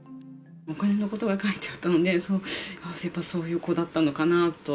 お金のことが書いてあったので、やっぱりそういう子だったのかなと。